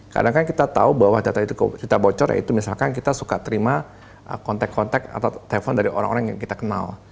kadang kadang kita tahu bahwa data itu kita bocor yaitu misalkan kita suka terima kontak kontak atau telepon dari orang orang yang kita kenal